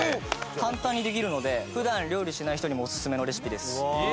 簡単にできるので普段料理しない人にもおすすめのレシピです。